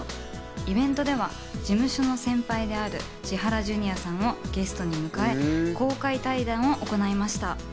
イベントでは事務所の先輩である千原ジュニアさんをゲストに迎え公開対談を行いました。